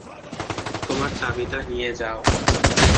তোমার চাবিটা নিয়ে যাও!